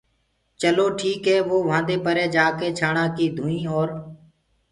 چلو ٺيٚڪي وو وهآنٚدي پري جآڪي ڇآڻآڪي ڌونئيٚ اور